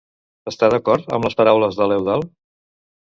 Està d'acord amb les paraules de l'Eudald?